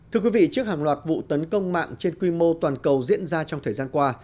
thưa quý vị trước hàng loạt vụ tấn công mạng trên quy mô toàn cầu diễn ra trong thời gian qua